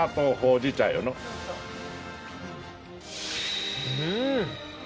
うん！